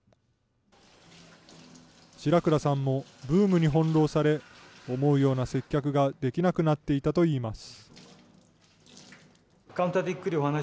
白倉さんもブームに翻弄され、思うような接客ができなくなっていたといいます。